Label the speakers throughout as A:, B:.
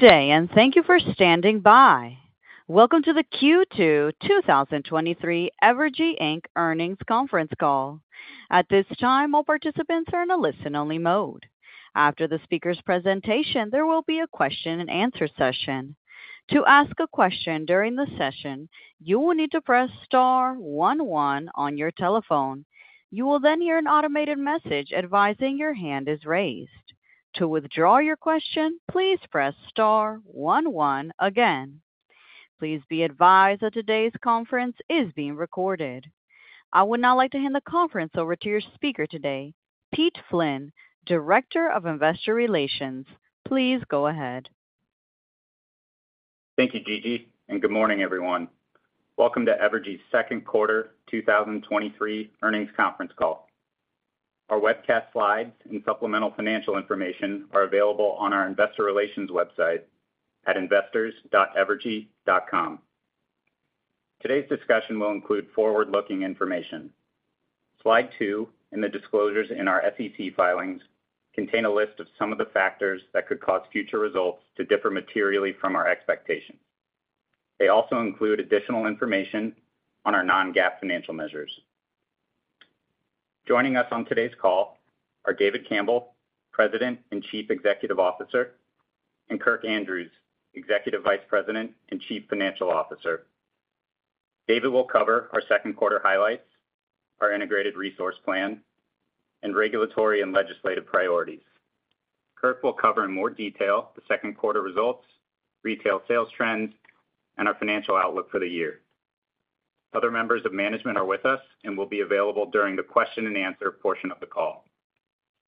A: Good day, and thank you for standing by. Welcome to the Q2 2023 Evergy Inc. Earnings Conference Call. At this time, all participants are in a listen-only mode. After the speaker's presentation, there will be a question-and-answer session. To ask a question during the session, you will need to press star one one on your telephone. You will then hear an automated message advising your hand is raised. To withdraw your question, please press star one one again. Please be advised that today's conference is being recorded. I would now like to hand the conference over to your speaker today, Pete Flynn, Director of Investor Relations. Please go ahead.
B: Thank you, Gigi. Good morning, everyone. Welcome to Evergy's Q2 2023 earnings conference call. Our webcast slides and supplemental financial information are available on our investor relations website at investors.evergy.com. Slide 2, the disclosures in our SEC filings contain a list of some of the factors that could cause future results to differ materially from our expectations. They also include additional information on our non-GAAP financial measures. Joining us on today's call are David Campbell, President and Chief Executive Officer, and Kirk Andrews, Executive Vice President and Chief Financial Officer. David will cover our Q2 highlights, our Integrated Resource Plan, and regulatory and legislative priorities. Kirk will cover in more detail the Q2 results, retail sales trends, and our financial outlook for the year. Other members of management are with us and will be available during the question-and-answer portion of the call.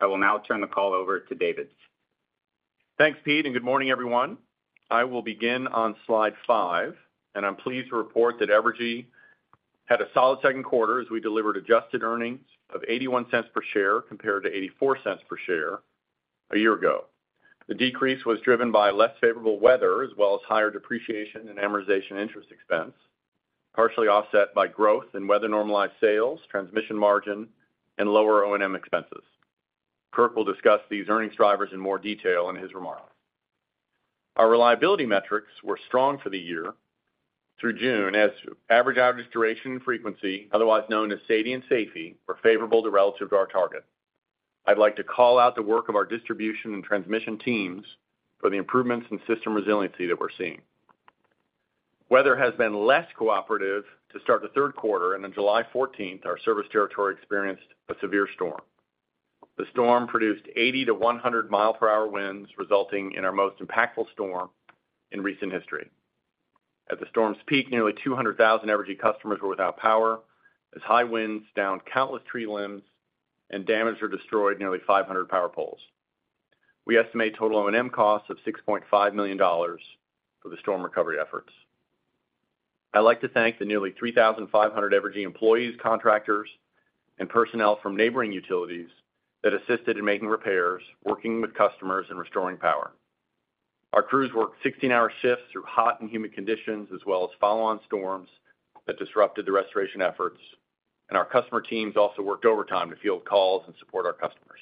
B: I will now turn the call over to David.
C: Thanks, Pete, good morning, everyone. I will begin on slide five. I'm pleased to report that Evergy had a solid Q2 as we delivered adjusted earnings of $0.81 per share, compared to $0.84 per share a year ago. The decrease was driven by less favorable weather, as well as higher depreciation in amortization interest expense, partially offset by growth in weather normalized sales, transmission margin, and lower O&M expenses. Kirk will discuss these earnings drivers in more detail in his remarks. Our reliability metrics were strong for the year through June, as average outage, duration, and frequency, otherwise known as SAIDI and SAIFI, were favorable to relative to our target. I'd like to call out the work of our distribution and transmission teams for the improvements in system resiliency that we're seeing. Weather has been less cooperative to start the Q3, and on July 14th, our service territory experienced a severe storm. The storm produced 80-100 mile per hour winds, resulting in our most impactful storm in recent history. At the storm's peak, nearly 200,000 Evergy customers were without power, as high winds downed countless tree limbs and damaged or destroyed nearly 500 power poles. We estimate total O&M costs of $6.5 million for the storm recovery efforts. I'd like to thank the nearly 3,500 Evergy employees, contractors, and personnel from neighboring utilities that assisted in making repairs, working with customers, and restoring power. Our crews worked 16-hour shifts through hot and humid conditions, as well as follow-on storms that disrupted the restoration efforts, and our customer teams also worked overtime to field calls and support our customers.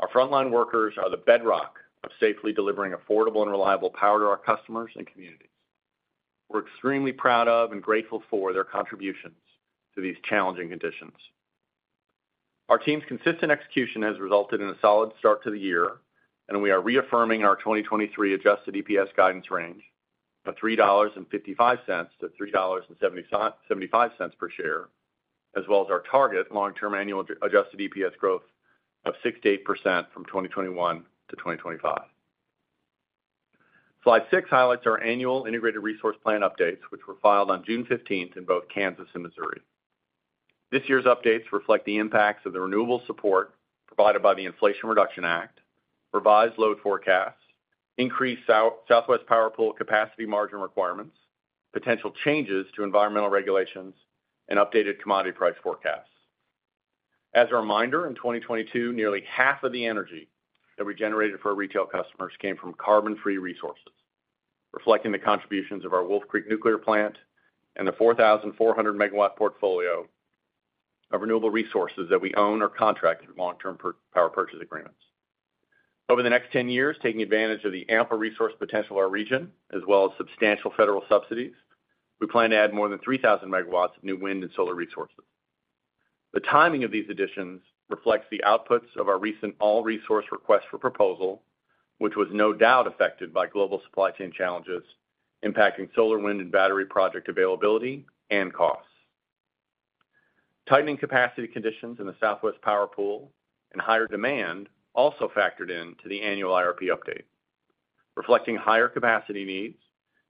C: Our frontline workers are the bedrock of safely delivering affordable and reliable power to our customers and communities. We're extremely proud of and grateful for their contributions to these challenging conditions. Our team's consistent execution has resulted in a solid start to the year, and we are reaffirming our 2023 adjusted EPS guidance range of $3.55-$3.75 per share, as well as our target long-term annual adjusted EPS growth of 6%-8% from 2021 to 2025. Slide 6 highlights our annual Integrated Resource Plan updates, which were filed on June 15th in both Kansas and Missouri. This year's updates reflect the impacts of the renewable support provided by the Inflation Reduction Act, revised load forecasts, increased Southwest Power Pool capacity margin requirements, potential changes to environmental regulations, and updated commodity price forecasts. As a reminder, in 2022, nearly half of the energy that we generated for our retail customers came from carbon-free resources, reflecting the contributions of our Wolf Creek Nuclear Plant and the 4,400 megawatt portfolio of renewable resources that we own or contract through long-term power purchase agreements. Over the next 10 years, taking advantage of the ample resource potential of our region, as well as substantial federal subsidies, we plan to add more than 3,000 megawatts of new wind and solar resources. The timing of these additions reflects the outputs of our recent all-resource request for proposal, which was no doubt affected by global supply chain challenges impacting solar, wind, and battery project availability and costs. Tightening capacity conditions in the Southwest Power Pool and higher demand also factored into the annual IRP update. Reflecting higher capacity needs,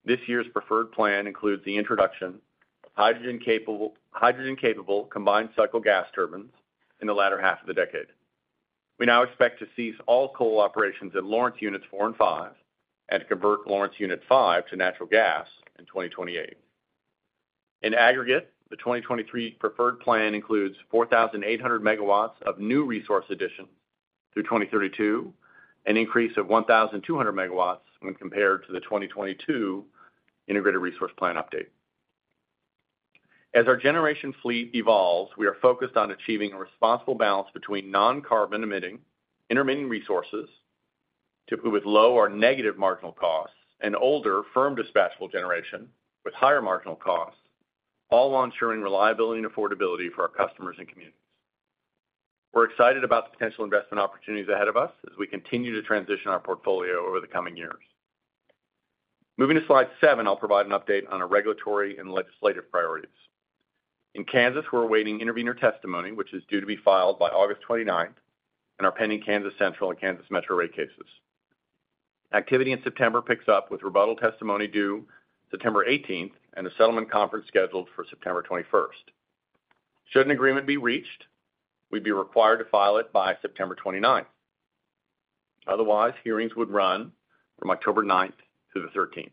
C: this year's preferred plan includes the introduction of hydrogen-capable, hydrogen-capable combined cycle gas turbines in the latter half of the decade. We now expect to cease all coal operations in Lawrence Units Four and Five and convert Lawrence Unit Five to natural gas in 2028. In aggregate, the 2023 preferred plan includes 4,800 megawatts of new resource additions through 2032, an increase of 1,200 megawatts when compared to the 2022 Integrated Resource Plan update. As our generation fleet evolves, we are focused on achieving a responsible balance between non-carbon emitting, intermittent resources, typically with low or negative marginal costs, and older, firm dispatchable generation with higher marginal costs, all while ensuring reliability and affordability for our customers and communities. We're excited about the potential investment opportunities ahead of us as we continue to transition our portfolio over the coming years. Moving to slide 7, I'll provide an update on our regulatory and legislative priorities. In Kansas, we're awaiting intervener testimony, which is due to be filed by August twenty-ninth, and our pending Kansas Central and Kansas Metro rate cases. Activity in September picks up, with rebuttal testimony due September eighteenth, and a settlement conference scheduled for September twenty-first. Should an agreement be reached, we'd be required to file it by September twenty-ninth. Otherwise, hearings would run from October ninth through the thirteenth.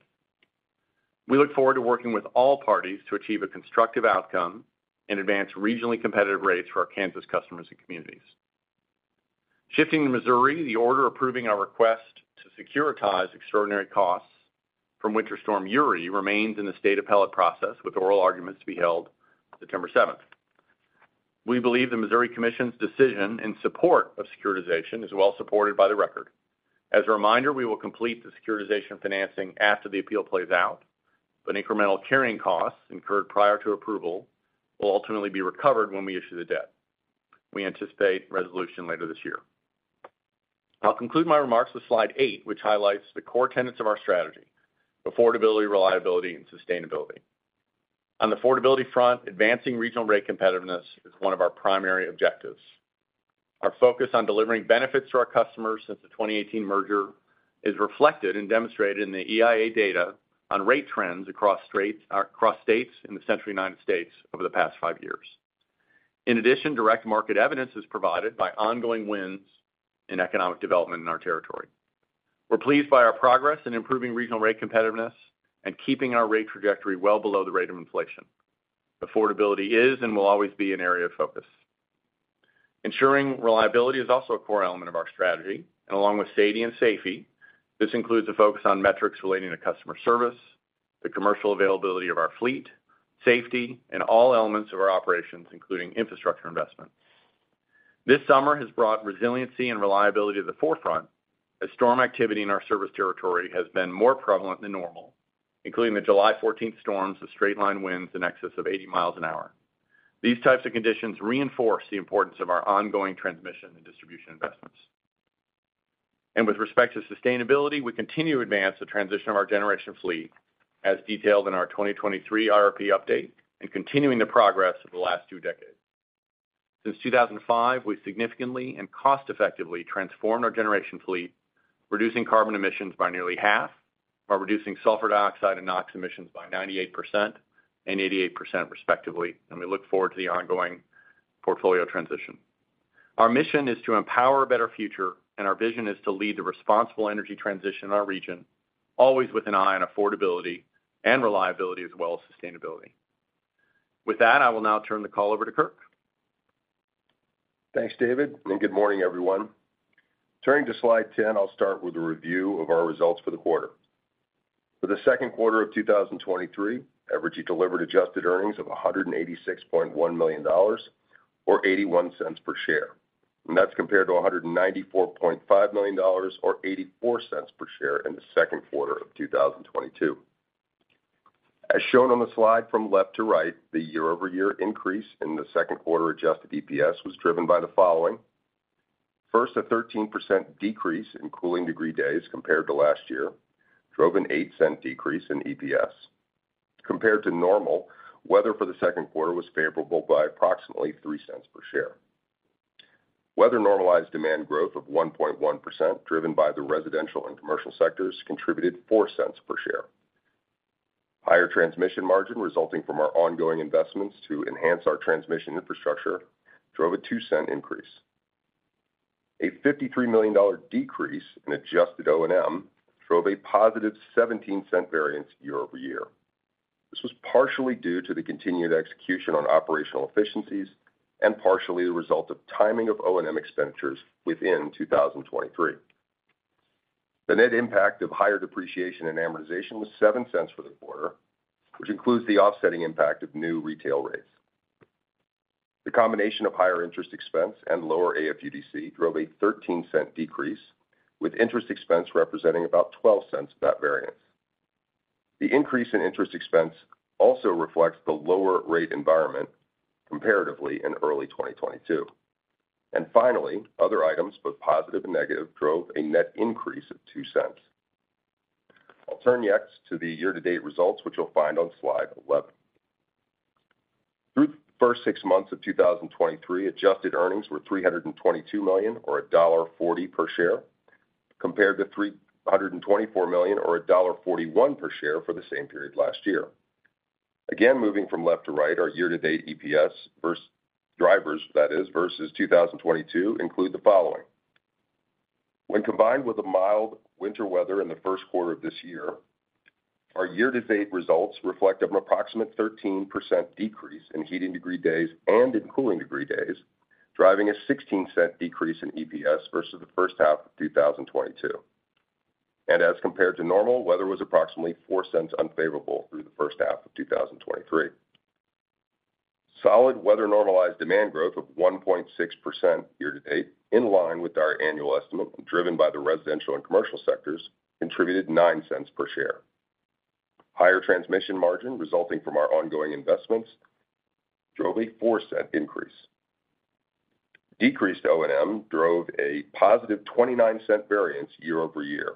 C: We look forward to working with all parties to achieve a constructive outcome and advance regionally competitive rates for our Kansas customers and communities. Shifting to Missouri, the order approving our request to securitize extraordinary costs from Winter Storm Uri remains in the state appellate process, with oral arguments to be held September 7th. We believe the Missouri Commission's decision in support of securitization is well supported by the record. As a reminder, we will complete the securitization financing after the appeal plays out, but incremental carrying costs incurred prior to approval will ultimately be recovered when we issue the debt. We anticipate resolution later this year. I'll conclude my remarks with slide 8, which highlights the core tenets of our strategy: affordability, reliability, and sustainability. On the affordability front, advancing regional rate competitiveness is one of our primary objectives. Our focus on delivering benefits to our customers since the 2018 merger is reflected and demonstrated in the EIA data on rate trends across states in the central United States over the past five years. In addition, direct market evidence is provided by ongoing wins in economic development in our territory. We're pleased by our progress in improving regional rate competitiveness and keeping our rate trajectory well below the rate of inflation. Affordability is and will always be an area of focus. Ensuring reliability is also a core element of our strategy, and along with safety and safety, this includes a focus on metrics relating to customer service, the commercial availability of our fleet, safety, and all elements of our operations, including infrastructure investments. This summer has brought resiliency and reliability to the forefront, as storm activity in our service territory has been more prevalent than normal, including the July 14th storms with straight-line winds in excess of 80 miles an hour. With respect to sustainability, we continue to advance the transition of our generation fleet, as detailed in our 2023 IRP update and continuing the progress of the last two decades. Since 2005, we've significantly and cost-effectively transformed our generation fleet, reducing carbon emissions by nearly half, while reducing sulfur dioxide and NOx emissions by 98% and 88%, respectively, and we look forward to the ongoing portfolio transition. Our mission is to empower a better future, and our vision is to lead the responsible energy transition in our region, always with an eye on affordability and reliability, as well as sustainability. With that, I will now turn the call over to Kirk.
D: Thanks, David. Good morning, everyone. Turning to slide 10, I'll start with a review of our results for the quarter. For the Q2 of 2023, Evergy delivered adjusted earnings of $186.1 million or $0.81 per share. That's compared to $194.5 million or $0.84 per share in the Q2 of 2022. As shown on the slide, from left to right, the year-over-year increase in the Q2 adjusted EPS was driven by the following: First, a 13% decrease in cooling degree days compared to last year drove a $0.08 decrease in EPS. Compared to normal, weather for the Q2 was favorable by approximately $0.03 per share. Weather-normalized demand growth of 1.1%, driven by the residential and commercial sectors, contributed $0.04 per share. Higher transmission margin, resulting from our ongoing investments to enhance our transmission infrastructure, drove a $0.02 increase. A $53 million decrease in adjusted O&M drove a positive $0.17 variance year-over-year. This was partially due to the continued execution on operational efficiencies and partially the result of timing of O&M expenditures within 2023. The net impact of higher depreciation and amortization was $0.07 for the quarter, which includes the offsetting impact of new retail rates. The combination of higher interest expense and lower AFUDC drove a $0.13 decrease, with interest expense representing about $0.12 of that variance. The increase in interest expense also reflects the lower rate environment comparatively in early 2022. Finally, other items, both positive and negative, drove a net increase of $0.02. I'll turn next to the year-to-date results, which you'll find on slide 11. Through the first six months of 2023, adjusted earnings were $322 million or $1.40 per share, compared to $324 million or $1.41 per share for the same period last year. Again, moving from left to right, our year-to-date EPS drivers, that is, versus 2022, include the following: When combined with the mild winter weather in the Q1 of this year, our year-to-date results reflect an approximate 13% decrease in heating degree days and in cooling degree days, driving a $0.16 decrease in EPS versus the first half of 2022. As compared to normal, weather was approximately $0.04 unfavorable through the first half of 2023. Solid weather normalized demand growth of 1.6% year to date, in line with our annual estimate, driven by the residential and commercial sectors, contributed $0.09 per share. Higher transmission margin, resulting from our ongoing investments, drove a $0.04 increase. Decreased O&M drove a positive $0.29 variance year over year.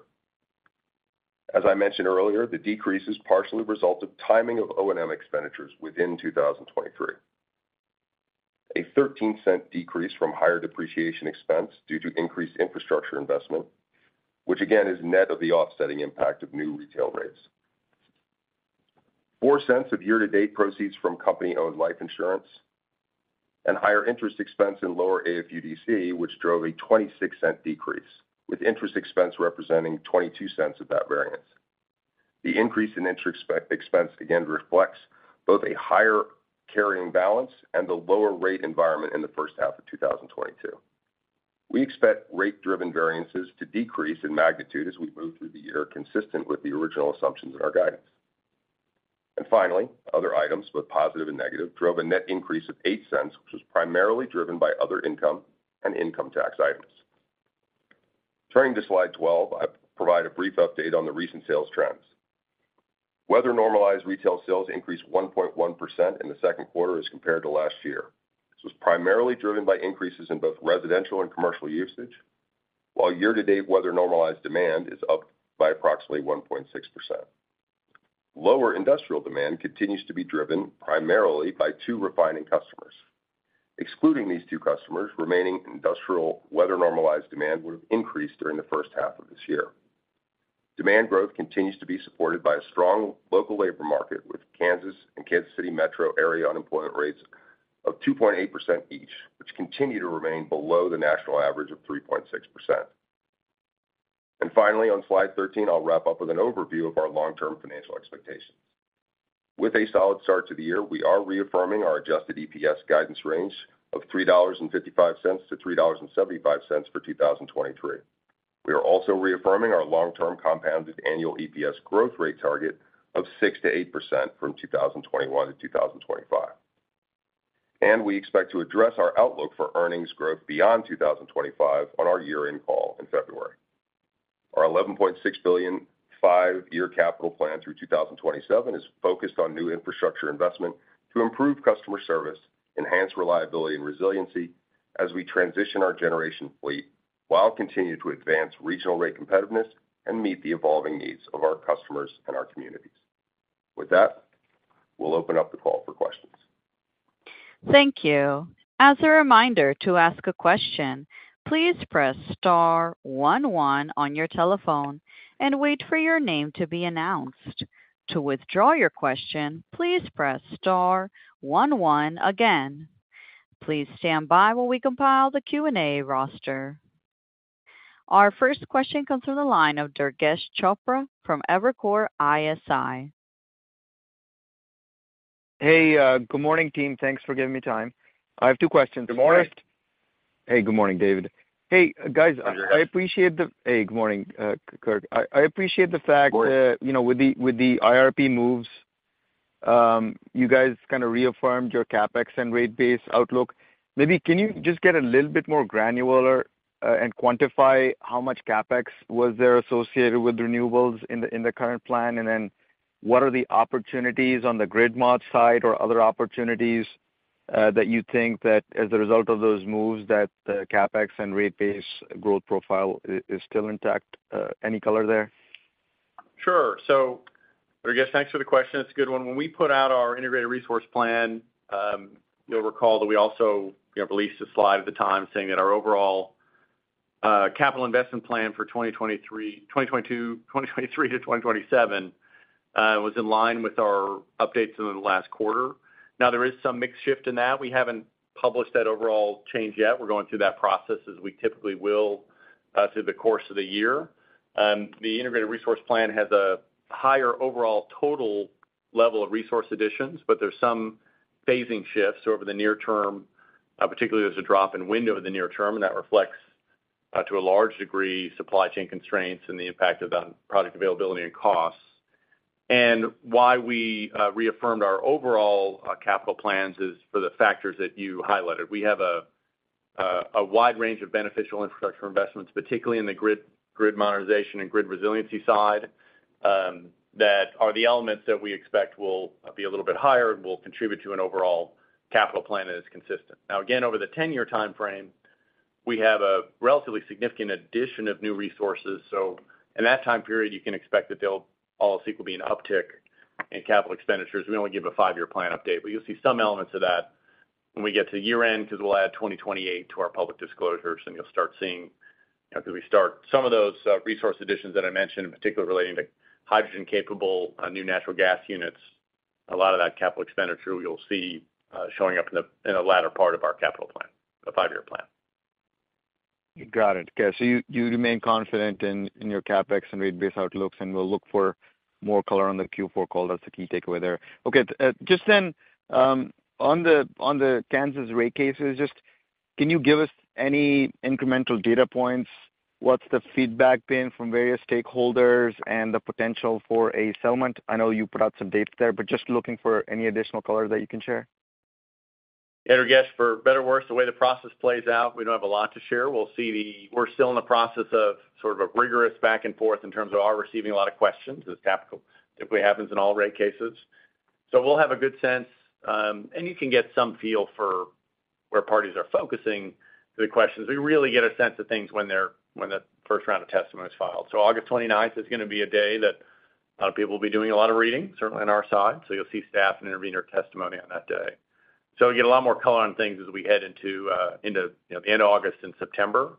D: As I mentioned earlier, the decrease is partially a result of timing of O&M expenditures within 2023. A $0.13 decrease from higher depreciation expense due to increased infrastructure investment, which again, is net of the offsetting impact of new retail rates. $0.04 of year-to-date proceeds from company-owned life insurance and higher interest expense and lower AFUDC, which drove a $0.26 decrease, with interest expense representing $0.22 of that variance. The increase in interest expense again reflects both a higher carrying balance and the lower rate environment in the first half of 2022. We expect rate-driven variances to decrease in magnitude as we move through the year, consistent with the original assumptions in our guidance. Finally, other items, both positive and negative, drove a net increase of $0.08, which was primarily driven by other income and income tax items. Turning to Slide 12, I provide a brief update on the recent sales trends. Weather normalized retail sales increased 1.1% in the Q2 as compared to last year. This was primarily driven by increases in both residential and commercial usage, while year-to-date weather normalized demand is up by approximately 1.6%. Lower industrial demand continues to be driven primarily by 2 refining customers. Excluding these 2 customers, remaining industrial weather normalized demand would have increased during the first half of this year. Demand growth continues to be supported by a strong local labor market, with Kansas and Kansas City metro area unemployment rates of 2.8% each, which continue to remain below the national average of 3.6%. Finally, on slide 13, I'll wrap up with an overview of our long-term financial expectations. With a solid start to the year, we are reaffirming our adjusted EPS guidance range of $3.55-$3.75 for 2023. We are also reaffirming our long-term compounded annual EPS growth rate target of 6%-8% from 2021 to 2025. We expect to address our outlook for earnings growth beyond 2025 on our year-end call in February. Our $11.6 billion, 5-year capital plan through 2027 is focused on new infrastructure investment to improve customer service, enhance reliability and resiliency as we transition our generation fleet, while continuing to advance regional rate competitiveness and meet the evolving needs of our customers and our communities. With that, we'll open up the call for questions.
A: Thank you. As a reminder to ask a question, please press star one one on your telephone and wait for your name to be announced. To withdraw your question, please press star one one again. Please stand by while we compile the Q&A roster. Our first question comes from the line of Durgesh Chopra from Evercore ISI.
E: Hey, good morning, team. Thanks for giving me time. I have two questions.
D: Good morning.
E: Hey, good morning, David. Hey, guys, I appreciate the... Hey, good morning, Kirk. I, I appreciate the fact-
D: Of course....
E: you know, with the, with the IRP moves, you guys kind of reaffirmed your CapEx and rate base outlook. Maybe can you just get a little bit more granular, and quantify how much CapEx was there associated with renewables in the, in the current plan? Then what are the opportunities on the grid mod side or other opportunities, that you think that as a result of those moves, that the CapEx and rate base growth profile is, is still intact? Any color there?
D: Sure. I guess thanks for the question. It's a good one. When we put out our Integrated Resource Plan, you'll recall that we also, you know, released a slide at the time saying that our overall capital investment plan for 2023, 2022, 2023 to 2027 was in line with our updates in the last quarter. Now, there is some mix shift in that. We haven't published that overall change yet. We're going through that process, as we typically will, through the course of the year. The Integrated Resource Plan has a higher overall total level of resource additions, but there's some phasing shifts over the near term. Particularly, there's a drop in window in the near term, and that reflects to a large degree, supply chain constraints and the impact of that on product availability and costs. Why we reaffirmed our overall capital plans is for the factors that you highlighted. We have a wide range of beneficial infrastructure investments, particularly in the grid, grid modernization and grid resiliency side, that are the elements that we expect will be a little bit higher and will contribute to an overall capital plan that is consistent. Now, again, over the 10-year timeframe, we have a relatively significant addition of new resources. In that time period, you can expect that there'll also will be an uptick in capital expenditures. We only give a 5-year plan update, but you'll see some elements of that when we get to year-end, because we'll add 2028 to our public disclosures, and you'll start seeing, as we start, some of those resource additions that I mentioned, in particular relating to hydrogen-capable new natural gas units. A lot of that capital expenditure you'll see showing up in the, in the latter part of our capital plan, the 5-year plan.
E: Got it. Okay, so you, you remain confident in, in your CapEx and rate base outlooks, and we'll look for more color on the Q4 call. That's the key takeaway there. Okay, just then, on the, on the Kansas rate cases. Can you give us any incremental data points? What's the feedback been from various stakeholders and the potential for a settlement? I know you put out some dates there, just looking for any additional color that you can share.
C: Hey, Durgesh, for better or worse, the way the process plays out, we don't have a lot to share. We'll see. We're still in the process of sort of a rigorous back and forth in terms of our receiving a lot of questions, as typical, typically happens in all rate cases. We'll have a good sense, and you can get some feel for where parties are focusing the questions. We really get a sense of things when when the first round of testimony is filed. August 29th is going to be a day that a lot of people will be doing a lot of reading, certainly on our side. You'll see staff and intervener testimony on that day. You get a lot more color on things as we head into, you know, in August and September.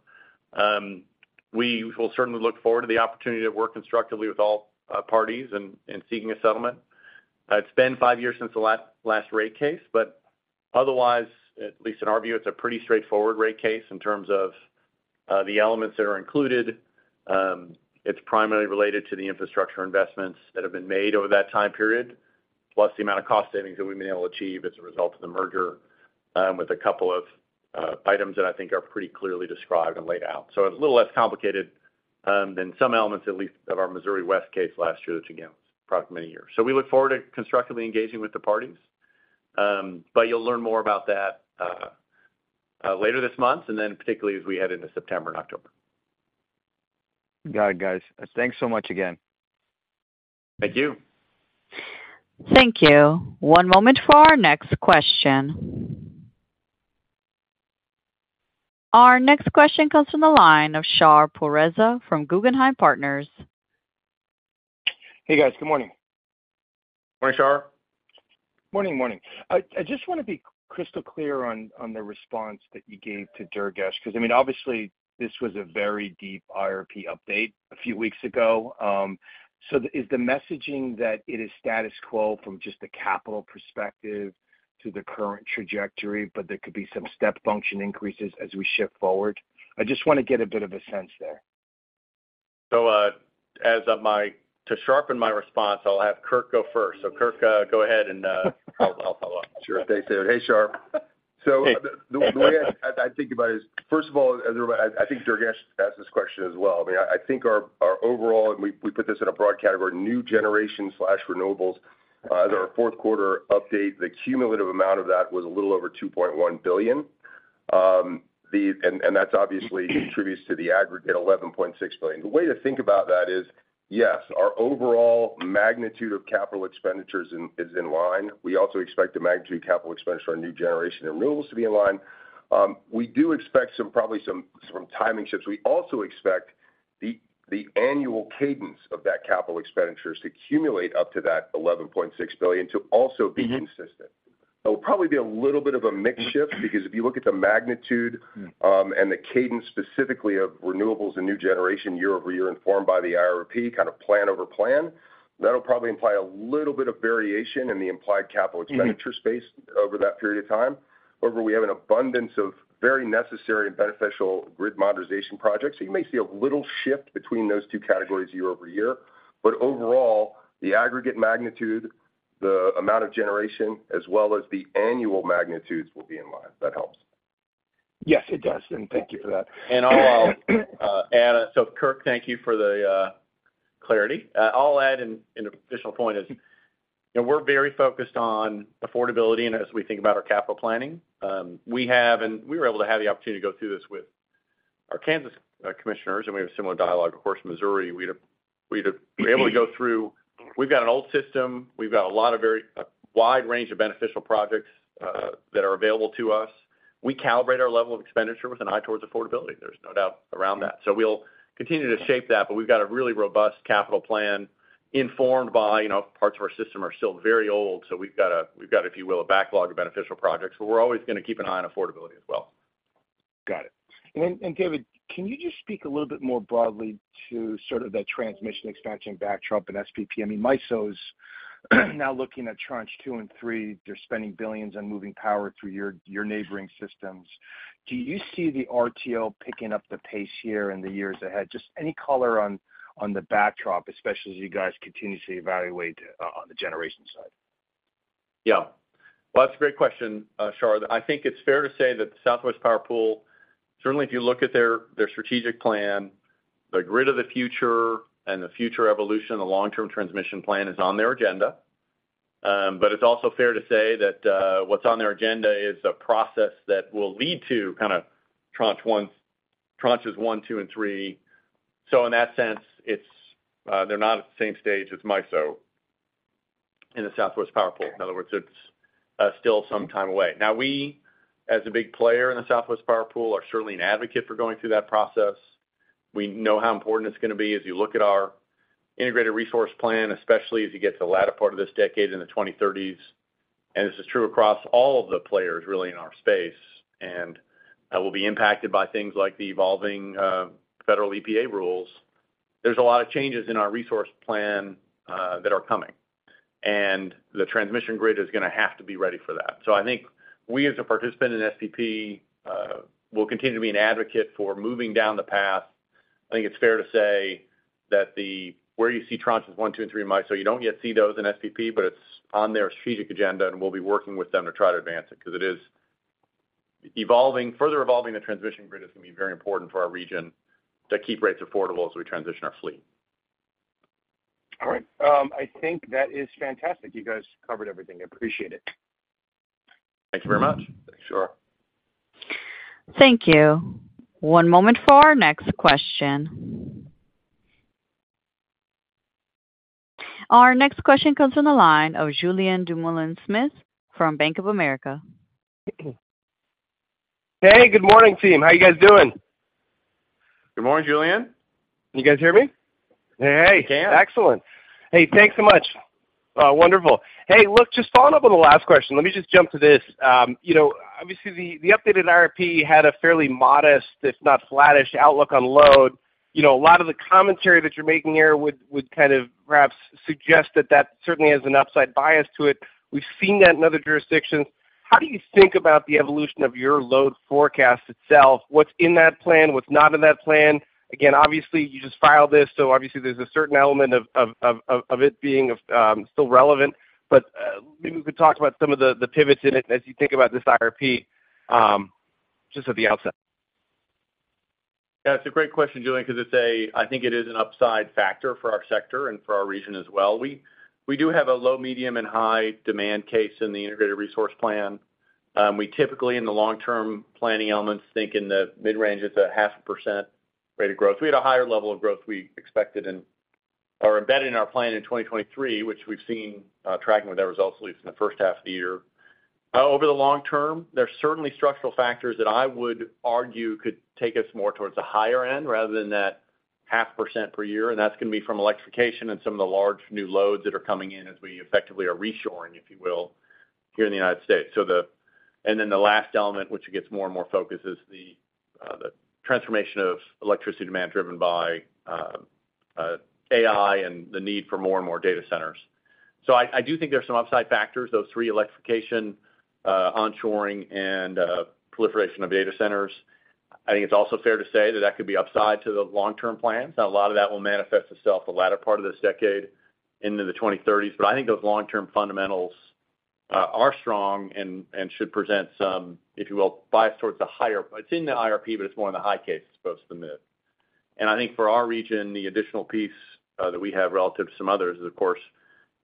C: We will certainly look forward to the opportunity to work constructively with all parties in, in seeking a settlement. It's been five years since the last, last rate case. Otherwise, at least in our view, it's a pretty straightforward rate case in terms of the elements that are included. It's primarily related to the infrastructure investments that have been made over that time period, plus the amount of cost savings that we've been able to achieve as a result of the merger, with a couple of items that I think are pretty clearly described and laid out. It's a little less complicated than some elements, at least, of our Missouri West case last year, which, again, was approximately 1 year. We look forward to constructively engaging with the parties. But you'll learn more about that later this month, and then particularly as we head into September and October.
E: Got it, guys. Thanks so much again.
C: Thank you.
A: Thank you. One moment for our next question. Our next question comes from the line of Shar Pourreza from Guggenheim Partners.
F: Hey, guys. Good morning.
C: Morning, Shar.
F: Morning, morning. I, I just want to be crystal clear on, on the response that you gave to Durgesh, because, I mean, obviously, this was a very deep IRP update a few weeks ago. Is the messaging that it is status quo from just a capital perspective to the current trajectory, but there could be some step function increases as we shift forward? I just want to get a bit of a sense there.
C: As of my-- to sharpen my response, I'll have Kirk go first. Kirk, go ahead and, I'll, I'll follow up.
D: Sure thing, David. Hey, Shar.
F: Hey.
D: The way I think about it is, first of all, I think Durgesh asked this question as well. I mean, I think our overall, and we put this in a broad category, new generation/renewables. Their Q4 update, the cumulative amount of that was a little over $2.1 billion. That's obviously contributes to the aggregate $11.6 billion. The way to think about that is, yes, our overall magnitude of capital expenditures is in line. We also expect the magnitude of capital expenditure on new generation and renewables to be in line. We do expect probably some timing shifts. We also expect the annual cadence of that capital expenditures to accumulate up to that $11.6 billion to also be consistent. It will probably be a little bit of a mix shift, because if you look at the magnitude, and the cadence specifically of renewables and new generation year-over-year, informed by the IRP, kind of plan over plan, that'll probably imply a little bit of variation in the implied capital expenditure space over that period of time. However, we have an abundance of very necessary and beneficial grid modernization projects, so you may see a little shift between those two categories year-over-year. Overall, the aggregate magnitude, the amount of generation, as well as the annual magnitudes, will be in line. If that helps.
F: Yes, it does, and thank you for that.
C: So Kirk, thank you for the clarity. I'll add in an additional point is, you know, we're very focused on affordability, and as we think about our capital planning, we have, and we were able to have the opportunity to go through this with our Kansas commissioners. We have a similar dialogue, of course, Missouri. We've got an old system. We've got a lot of very, a wide range of beneficial projects that are available to us. We calibrate our level of expenditure with an eye towards affordability. There's no doubt around that. We'll continue to shape that, but we've got a really robust capital plan informed by, you know, parts of our system are still very old, so we've got, if you will, a backlog of beneficial projects, but we're always going to keep an eye on affordability as well.
F: Got it. David, can you just speak a little bit more broadly to sort of the transmission expansion backdrop and SPP? I mean, MISO is now looking at Tranche two and three. They're spending billions on moving power through your neighboring systems. Do you see the RTO picking up the pace here in the years ahead? Just any color on the backdrop, especially as you guys continue to evaluate, on the generation side?
C: Yeah. Well, that's a great question, Shar. I think it's fair to say that the Southwest Power Pool, certainly if you look at their, their strategic plan, the grid of the future and the future evolution, the long-term transmission plan is on their agenda. But it's also fair to say that what's on their agenda is a process that will lead to kind of Tranches one, two, and three. In that sense, it's they're not at the same stage as MISO in the Southwest Power Pool. In other words, it's still some time away. We, as a big player in the Southwest Power Pool, are certainly an advocate for going through that process. We know how important it's going to be as you look at our Integrated Resource Plan, especially as you get to the latter part of this decade in the 2030s. This is true across all of the players, really, in our space, and that will be impacted by things like the evolving federal EPA rules. There's a lot of changes in our resource plan that are coming, and the transmission grid is going to have to be ready for that. I think we, as a participant in SPP, will continue to be an advocate for moving down the path. I think it's fair to say that the, where you see Tranches 1, 2, and 3 in MISO, you don't yet see those in SPP, but it's on their strategic agenda, and we'll be working with them to try to advance it, because it is evolving. Further evolving the transmission grid is going to be very important for our region to keep rates affordable as we transition our fleet.
F: All right. I think that is fantastic. You guys covered everything. I appreciate it.
C: Thanks very much.
F: Sure.
A: Thank you. One moment for our next question. Our next question comes from the line of Julien Dumoulin-Smith from Bank of America.
G: Hey, good morning, team. How are you guys doing?
C: Good morning, Julien.
G: Can you guys hear me? Hey, excellent. Hey, thanks so much. Wonderful. Hey, look, just following up on the last question, let me just jump to this. You know, obviously the updated IRP had a fairly modest, if not flattish outlook on load. You know, a lot of the commentary that you're making here would kind of perhaps suggest that that certainly has an upside bias to it. We've seen that in other jurisdictions. How do you think about the evolution of your load forecast itself? What's in that plan? What's not in that plan? Again, obviously, you just filed this, so obviously there's a certain element of it being still relevant. Maybe we could talk about some of the pivots in it as you think about this IRP just at the outset.
C: Yeah, it's a great question, Julien, because it's I think it is an upside factor for our sector and for our region as well. We, we do have a low, medium, and high demand case in the Integrated Resource Plan. We typically, in the long-term planning elements, think in the mid-range, it's a 0.5% rate of growth. We had a higher level of growth we expected or embedded in our plan in 2023, which we've seen, tracking with our results at least in the first half of the year. Over the long term, there are certainly structural factors that I would argue could take us more towards the higher end rather than that 0.5% per year, and that's going to be from electrification and some of the large new loads that are coming in as we effectively are reshoring, if you will, here in the United States. The last element, which gets more and more focus, is the transformation of electricity demand driven by AI and the need for more and more data centers. I, I do think there are some upside factors, those three, electrification, onshoring, and proliferation of data centers. I think it's also fair to say that that could be upside to the long-term plans. A lot of that will manifest itself the latter part of this decade into the 2030s. I think those long-term fundamentals are strong and, and should present some, if you will, bias towards the higher-- it's in the IRP, but it's more in the high case as opposed to the mid. I think for our region, the additional piece that we have relative to some others is, of course,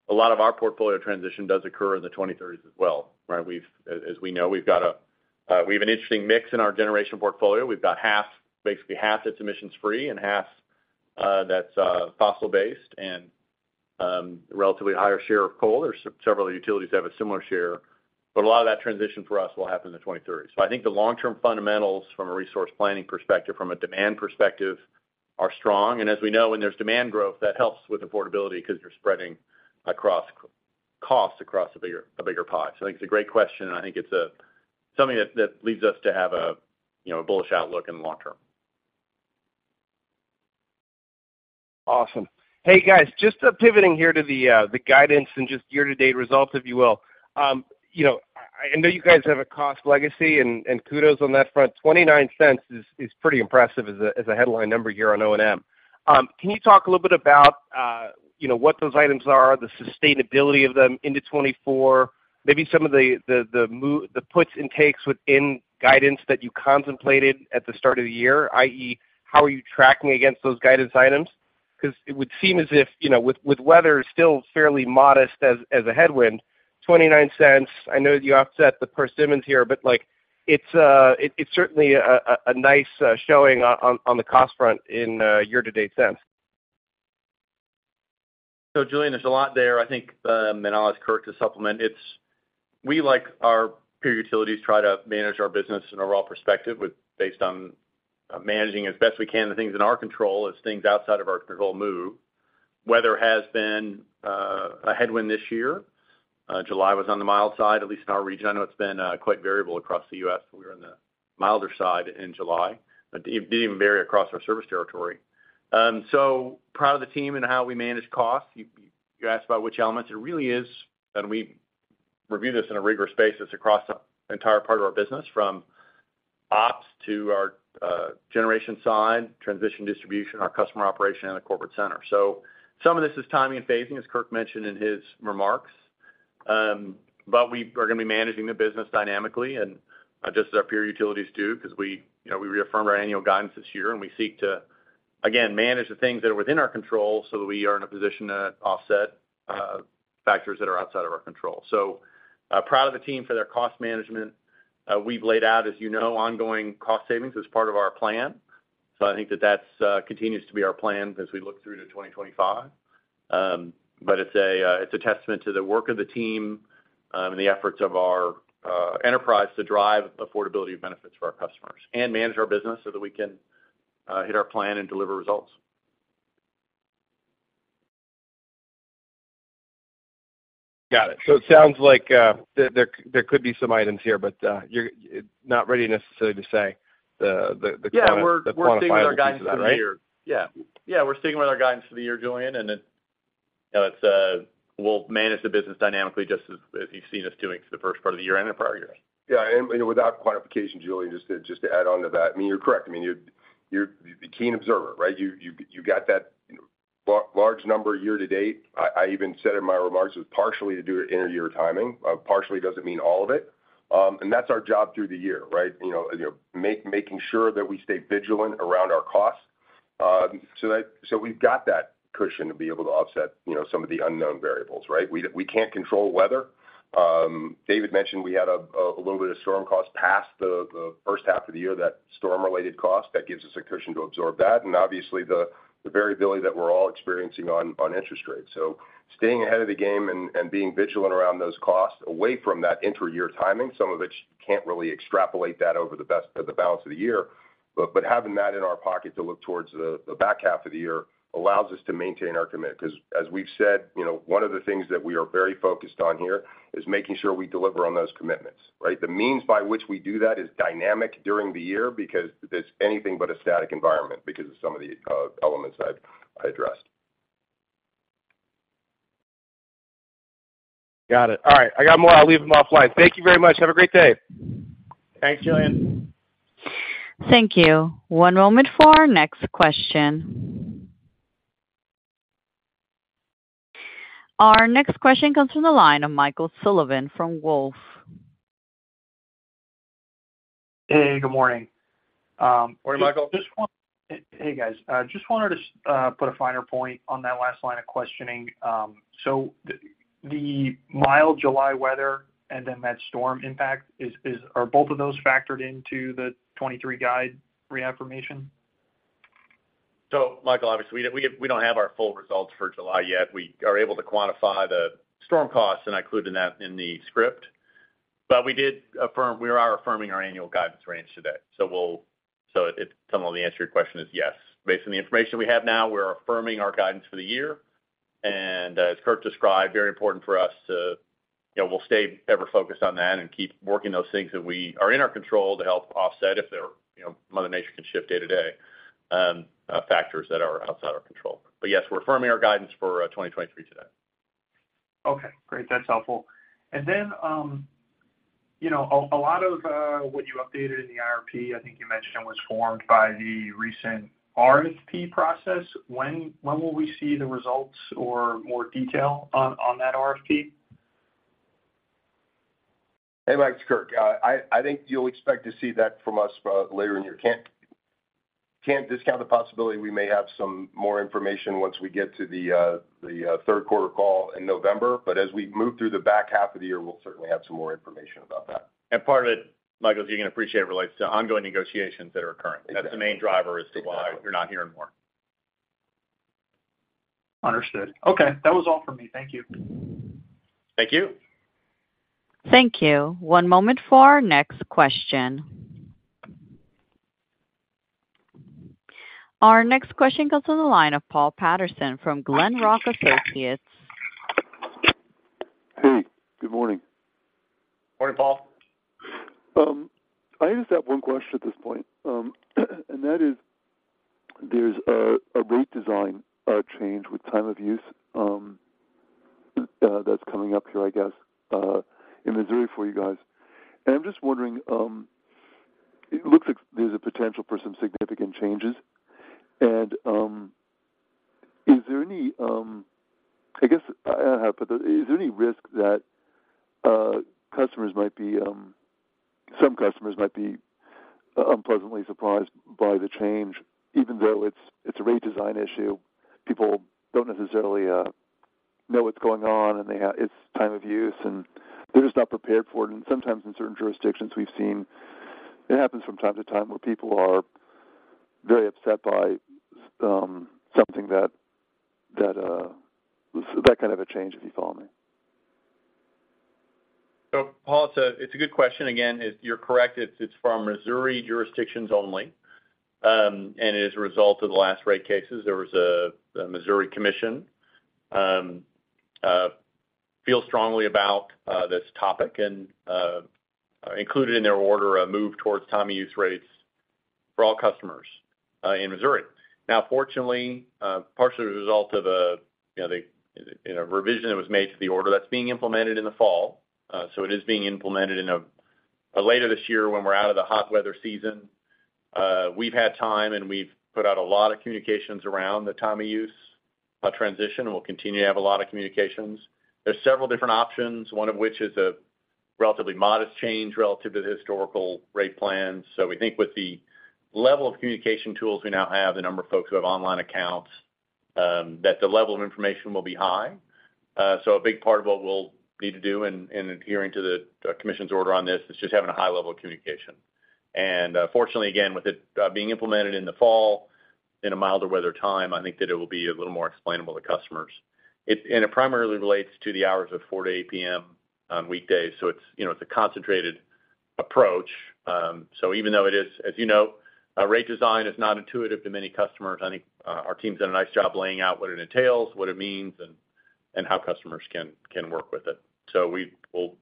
C: a lot of our portfolio transition does occur in the 2030s as well, right? As, as we know, we've got a, we have an interesting mix in our generation portfolio. We've got half, basically half that's emissions free and half that's fossil-based and relatively higher share of coal. There's several utilities that have a similar share, but a lot of that transition for us will happen in the 2030s. I think the long-term fundamentals from a resource planning perspective, from a demand perspective, are strong. As we know, when there's demand growth, that helps with affordability because you're spreading across costs, across a bigger, a bigger pot. I think it's a great question, and I think it's something that, that leads us to have a, you know, a bullish outlook in the long term.
G: Awesome. Hey, guys, just pivoting here to the guidance and just year-to-date results, if you will. You know, I, I know you guys have a cost legacy, and kudos on that front. $0.29 is pretty impressive as a headline number here on O&M. Can you talk a little bit about, you know, what those items are, the sustainability of them into 2024? Maybe some of the move, the puts and takes within guidance that you contemplated at the start of the year, i.e., how are you tracking against those guidance items? It would seem as if, you know, with weather still fairly modest as a headwind, $0.29. I know you offset the Persimmon Creek here, but like, it's certainly a nice showing on the cost front in year-to-date sense.
C: Julien, there's a lot there. I think, Alan is correct to supplement. We, like our peer utilities, try to manage our business in a raw perspective with based on managing as best we can the things in our control as things outside of our control move. Weather has been a headwind this year. July was on the mild side, at least in our region. I know it's been quite variable across the U.S., we were in the milder side in July, but it didn't even vary across our service territory. Proud of the team and how we managed costs. You, you, you asked about which elements, it really is, and we review this in a rigorous basis across the entire part of our business, from ops to our generation side, transition distribution, our customer operation, and the corporate center. Some of this is timing and phasing, as Kirk mentioned in his remarks, but we are going to be managing the business dynamically and just as our peer utilities do, because we, you know, we reaffirm our annual guidance this year, and we seek to, again, manage the things that are within our control so that we are in a position to offset factors that are outside of our control. Proud of the team for their cost management. We've laid out, as you know, ongoing cost savings as part of our plan. I think that that's continues to be our plan as we look through to 2025. It's a, it's a testament to the work of the team, and the efforts of our enterprise to drive affordability of benefits for our customers and manage our business so that we can hit our plan and deliver results.
G: Got it. It sounds like, there, there, there could be some items here, but, you're not ready necessarily to say the, the, the-
C: Yeah, we're sticking with our guidance for the year.
G: Yeah.
C: Yeah, we're sticking with our guidance for the year, Julien, and you know, it's, we'll manage the business dynamically, just as, as you've seen us doing for the first part of the year and in prior years.
D: Yeah, you know, without quantification, Julien, just to, just to add on to that, I mean, you're correct. I mean, you're, you're a keen observer, right? You, you, you got that large number year to date. I, I even said in my remarks, it was partially to do with inter-year timing. Partially doesn't mean all of it. That's our job through the year, right? You know, you know, making sure that we stay vigilant around our costs, so that, so we've got that cushion to be able to offset, you know, some of the unknown variables, right? We, we can't control weather. David mentioned we had a, a little bit of storm costs past the, the first half of the year, that storm-related cost, that gives us a cushion to absorb that, and obviously, the, the variability that we're all experiencing on, on interest rates. Staying ahead of the game and, and being vigilant around those costs away from that inter-year timing, some of which can't really extrapolate that over the balance of the year. But having that in our pocket to look towards the, the back half of the year allows us to maintain our commit. 'Cause as we've said, you know, one of the things that we are very focused on here, is making sure we deliver on those commitments, right? The means by which we do that is dynamic during the year because it's anything but a static environment, because of some of the elements I've, I addressed.
C: Got it. All right. I got more. I'll leave them offline. Thank you very much. Have a great day.
D: Thanks, Julien.
A: Thank you. One moment for our next question. Our next question comes from the line of Michael Sullivan from Wolfe.
H: Hey, good morning.
D: Morning, Michael.
H: Hey, guys. I just wanted to put a finer point on that last line of questioning. The mild July weather and then that storm impact, are both of those factored into the 2023 guide reaffirmation?
C: Michael, obviously, we don't have our full results for July yet. We are able to quantify the storm costs, and I included that in the script. We did affirm. We are affirming our annual guidance range today. Some of the answer to your question is yes. Based on the information we have now, we're affirming our guidance for the year. As Kirk described, very important for us to, you know, we'll stay ever focused on that and keep working those things that we are in our control to help offset if there, you know, Mother Nature can shift day to day, factors that are outside our control. Yes, we're affirming our guidance for 2023 today.
H: Okay, great. That's helpful. Then, you know, a lot of what you updated in the IRP, I think you mentioned, was formed by the recent RFP process. When, when will we see the results or more detail on, on that RFP?
D: Hey, Mike, it's Kirk. I think you'll expect to see that from us, later in the year. Can't discount the possibility we may have some more information once we get to the Q3 call in November. As we move through the back half of the year, we'll certainly have some more information about that.
C: Part of it, Michael, as you can appreciate, relates to ongoing negotiations that are occurring.
D: Exactly.
C: That's the main driver as to why you're not hearing more.
H: Understood. Okay, that was all for me. Thank you.
C: Thank you.
A: Thank you. One moment for our next question. Our next question goes to the line of Paul Patterson from Glenrock Associates.
I: Hey, good morning.
C: Morning, Paul.
I: I just have one question at this point, and that is: there's a rate design change with time of use that's coming up here, I guess, in Missouri for you guys. I'm just wondering, it looks like there's a potential for some significant changes. Is there any, I guess, how I put this, is there any risk that customers might be, some customers might be unpleasantly surprised by the change, even though it's a rate design issue? People don't necessarily know what's going on, and it's time of use, and they're just not prepared for it. Sometimes in certain jurisdictions, we've seen it happens from time to time, where people are very upset by something that kind of a change, if you follow me.
C: Paul, it's a good question. Again, if you're correct, it's, it's from Missouri jurisdictions only, and it is a result of the last rate cases. There was a Missouri Commission feel strongly about this topic and included in their order, a move towards time of use rates for all customers in Missouri. Now, fortunately, partially a result of a, you know, the, you know, revision that was made to the order, that's being implemented in the fall. It is being implemented later this year, when we're out of the hot weather season. We've had time, and we've put out a lot of communications around the time of use transition, and we'll continue to have a lot of communications. There's several different options, one of which is a relatively modest change relative to the historical rate plans. We think with the level of communication tools we now have, the number of folks who have online accounts, that the level of information will be high. A big part of what we'll need to do in adhering to the commission's order on this, is just having a high level of communication. Fortunately, again, with it being implemented in the fall, in a milder weather time, I think that it will be a little more explainable to customers. It primarily relates to the hours of 4:00 P.M. to 8:00 P.M. on weekdays, so it's, you know, it's a concentrated approach. Even though it is, as you know, rate design is not intuitive to many customers, I think, our team's done a nice job laying out what it entails, what it means, and, and how customers can, can work with it. We'll,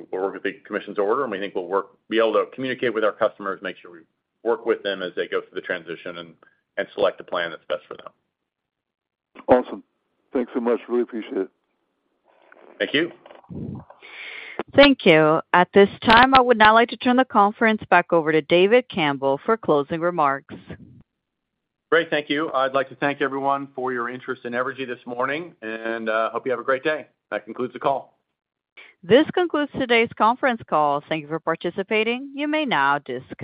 C: we'll work with the commission's order, and we think we'll be able to communicate with our customers, make sure we work with them as they go through the transition and, and select a plan that's best for them.
I: Awesome. Thanks so much. Really appreciate it.
C: Thank you.
A: Thank you. At this time, I would now like to turn the conference back over to David Campbell for closing remarks.
C: Great. Thank you. I'd like to thank everyone for your interest in Evergy this morning. Hope you have a great day. That concludes the call.
A: This concludes today's conference call. Thank you for participating. You may now disconnect.